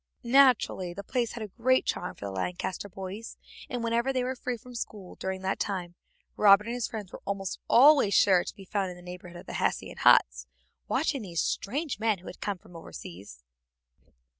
Naturally the place had a great charm for the Lancaster boys, and whenever they were free from school during that time Robert and his friends were almost sure to be found in the neighborhood of the Hessian huts, watching these strange men who had come from overseas.